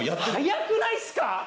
早くないっすか！？